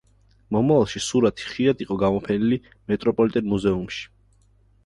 მომავალში, სურათი ხშირად იყო გამოფენილი მეტროპოლიტენ მუზეუმში.